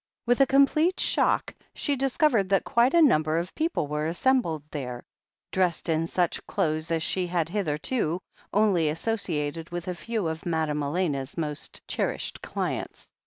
With a complete shock, she discovered that quite a number of people were assembled there, dressed in such 226 THE HEEL OF ACHILLES clothes as she had hitherto only associated with a few of Madame Elena's most cherished clients.